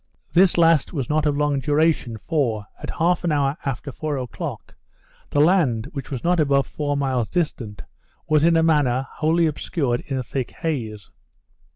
This last was not of long duration; for, at half an hour after four o'clock, the land, which was not above four miles distant, was in a manner wholly obscured in a thick haze.